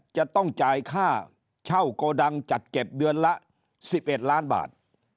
จะต้องจ่ายค่าเช่าโกดังจัดเก็บเดือนละ๑๑ล้านบาท